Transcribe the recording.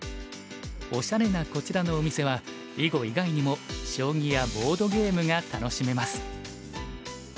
おしゃれなこちらのお店は囲碁以外にも将棋やボードゲームが楽しめます。